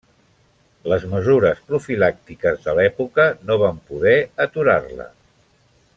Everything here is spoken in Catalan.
Les mesures profilàctiques de l'època no van poder aturar-la.